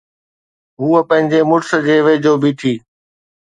هوءَ پنهنجي مڙس جي ويجهو بيٺي.